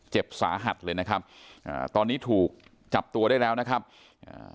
เจ็บสาหัสเลยนะครับอ่าตอนนี้ถูกจับตัวได้แล้วนะครับอ่า